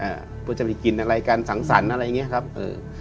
ว่าจะไปกินอะไรกันสังสรรค์อะไรอย่างเงี้ยครับเอ่อ